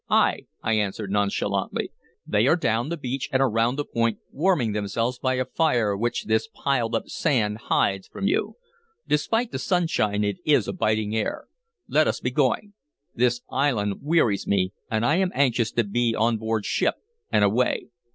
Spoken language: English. "Ay," I answered nonchalantly. "They are down the beach and around the point warming themselves by a fire which this piled up sand hides from you. Despite the sunshine it is a biting air. Let us be going! This island wearies me, and I am anxious to be on board ship and away."